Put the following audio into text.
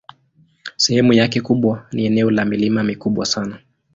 Sehemu yake kubwa ni eneo la milima mikubwa sana.